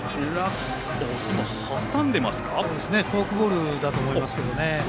フォークボールだと思いますけどね。